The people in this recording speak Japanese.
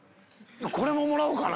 これももらおうかな。